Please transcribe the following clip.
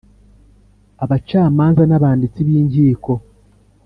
Abacamanza n abanditsi b inkiko